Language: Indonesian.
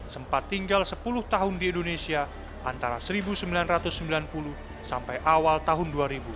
sempat tinggal sepuluh tahun di indonesia antara seribu sembilan ratus sembilan puluh sampai awal tahun dua ribu dua